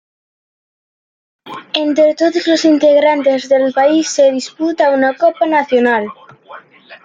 Entre todos los integrantes del país se disputa una copa nacional.